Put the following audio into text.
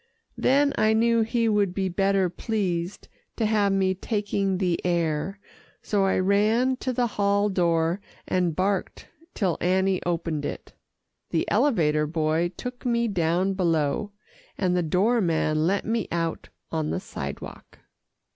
Then I knew he would be better pleased to have me taking the air, so I ran to the hall door, and barked till Annie opened it. The elevator boy took me down below, and the door man let me out on the sidewalk.